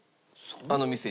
あの店に。